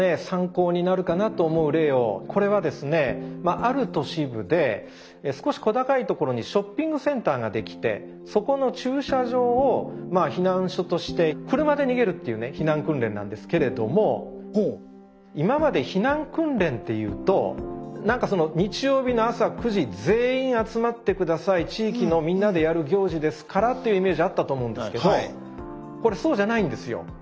参考になるかなと思う例をこれはですねある都市部で少し小高い所にショッピングセンターができてそこの駐車場を避難所として車で逃げるっていう避難訓練なんですけれども今まで避難訓練っていうと日曜日の朝９時全員集まって下さい地域のみんなでやる行事ですからというイメージあったと思うんですけどこれそうじゃないんですよ。